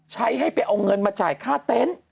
ให้ไปเอาเงินมาจ่ายค่าเต็นต์